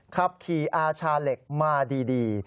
ขับขี่อาชาเหล็กมาดี